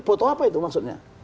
foto apa itu maksudnya